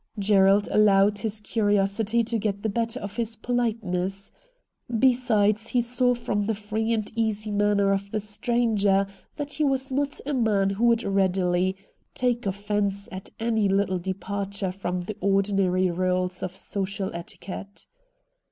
Gerald allowed his curiosity to get the better of his politeness. Besides, he saw from the free and easy manner of the stranger that he was not a man who would readily take 58 RED DIAMONDS offence at any little departure from the ordinary rules of social etiquette.